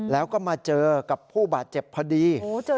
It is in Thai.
แล้วก็มาเจอกับผู้บาดเจ็บพอดี